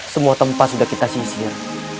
semua tempat sudah kita sisir